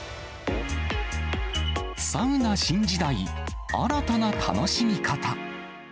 サウナ新時代、新たな楽しみ方。